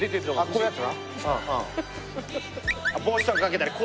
こういうやつ。